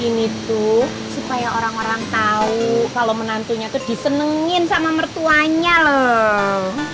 ini tuh supaya orang orang tahu kalau menantunya tuh disenengin sama mertuanya loh